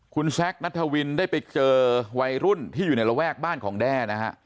คุณแซคนัทวินได้ไปเจอวัยรุ่นที่อยู่ในระแวกบ้านของแด้นะฮะ